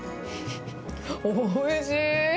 おいしい。